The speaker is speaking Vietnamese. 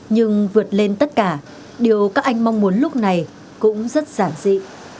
nhưng vượt lên tất cả điều các anh mong muốn lúc này cũng rất giản dị